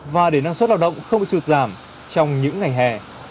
và để năng suất lao động không bị sụt giảm trong những ngày hè